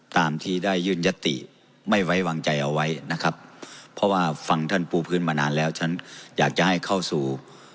ตามที่ได้ยื่นยติไม่ไว้วางใจเอาไว้นะครับเพราะว่าฟังท่านปูพื้นมานานแล้วฉันอยากจะให้เข้าสู่